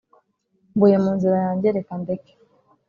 mvuye mu nzira yanjye reka ndeke!